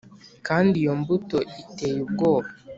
kandi iyo mbuto iteye ubwoba!